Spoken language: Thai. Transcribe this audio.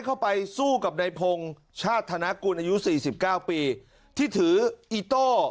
เข้าไปสู้กับในพงศ์ชาติธนกุลอายุสี่สิบเก้าปีที่ถืออีโต้